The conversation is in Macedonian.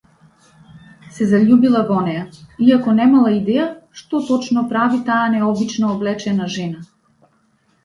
Се заљубила во неа, иако немала идеја што точно прави таа необично облечена жена.